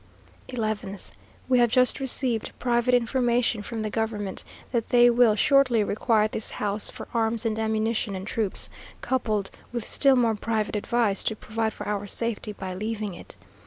11th. We have just received private information from the government, that they will shortly require this house for arms and ammunition and troops; coupled with still more private advice to provide for our safety by leaving it.